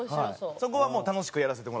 そこはもう楽しくやらせてもらってます。